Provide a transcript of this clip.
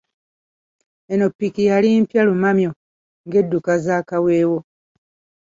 Eno ppiki yali mpya lumamyo ng’edduka za kaweewo.